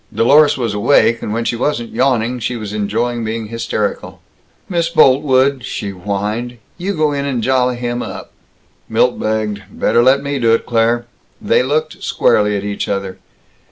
Dlorus was awake, and when she wasn't yawning, she was enjoying being hysterical. "Miss Boltwood," she whined, "you go in and jolly him up." Milt begged, "Better let me do it, Claire." They looked squarely at each other.